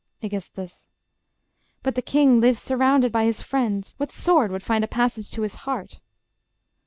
Aegis. But the king lives surrounded by his friends: What sword would find a passage to his heart?